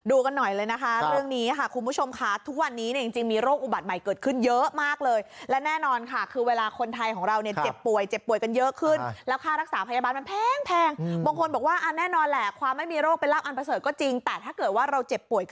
กันหน่อยเลยนะคะเรื่องนี้ค่ะคุณผู้ชมค่ะทุกวันนี้เนี่ยจริงมีโรคอุบัติใหม่เกิดขึ้นเยอะมากเลยและแน่นอนค่ะคือเวลาคนไทยของเราเนี่ยเจ็บป่วยเจ็บป่วยกันเยอะขึ้นแล้วค่ารักษาพยาบาลมันแพงบางคนบอกว่าแน่นอนแหละความไม่มีโรคเป็นลาบอันประเสริฐก็จริงแต่ถ้าเกิดว่าเราเจ็บป่วย